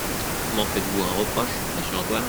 M’en faites-vous un reproche, monsieur Antoine ?